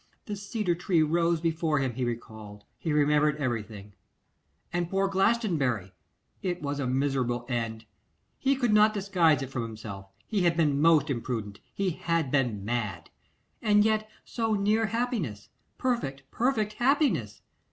The cedar tree rose before him, he recalled, he remembered everything. And poor Glastonbury it was a miserable end. He could not disguise it from himself, he had been most imprudent, he had been mad. And yet so near happiness, perfect, perfect happiness!